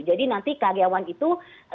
jadi nanti karyawan itu